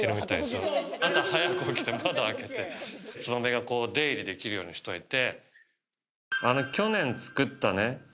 朝早く起きて窓開けてツバメが出入りできるようにしといて。